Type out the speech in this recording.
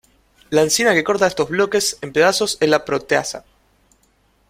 La enzima que corta estos bloques en pedazos es la proteasa.